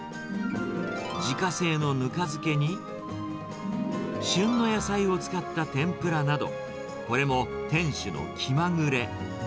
自家製のぬか漬けに、旬の野菜を使った天ぷらなど、これも店主の気まぐれ。